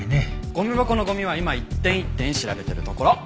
ゴミ箱のゴミは今一点一点調べてるところ。